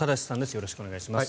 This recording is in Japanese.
よろしくお願いします。